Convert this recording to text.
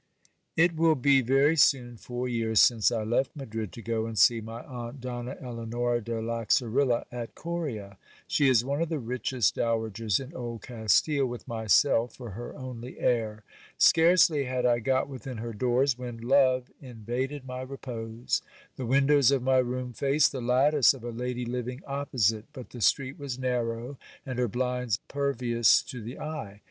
It will be very soon four years since I left Madrid to go and see my aunt Donna Eleonora de Laxarilla at Coria : she is one of the richest dowagers in Old Cas tile, with myself for her only heir. Scarcely had I got within her doors, when love invaded my repose. The windows of my room faced the lattice of a lady living opposite : but the street was narrow, and her blinds pervious to the eye.